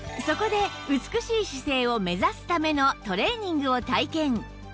そこで美しい姿勢を目指すためのトレーニングを体験